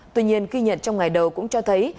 tuy nhiên ghi nhận trong ngày đầu cũng cho thấy